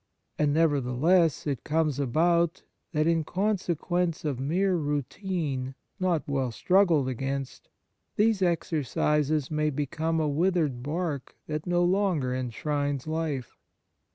And, nevertheless, it comes about that, in consequence of mere routine not well struggled against, these exercises may become a withered bark that no longer enshrines life.